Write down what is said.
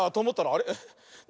あれ？